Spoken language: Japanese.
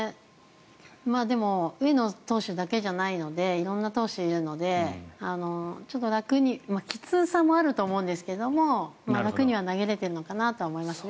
でも上野投手だけじゃなくて色んな投手がいるのできつさもあると思うんですけど楽に投げられているのかなとは思いますね。